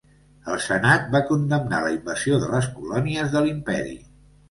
El senat va condemnar la invasió de les colònies de l'imperi.